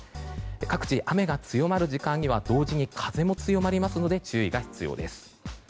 各地、雨が強まる時間には同時に風も強まりますので注意が必要です。